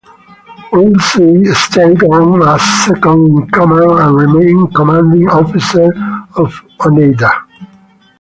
Woolsey stayed on as second in command and remained commanding officer of "Oneida".